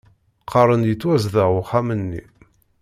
Qqaren-d yettwazdeɣ uxxam-nni